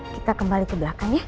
kita kembali ke belakang ya